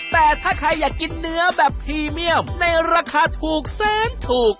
แต่ถ้าใครอยากกินเนื้อแบบพรีเมียมในราคาถูกแสนถูก